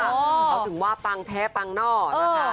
เขาถึงว่าปังแท้ปังนอกนะคะ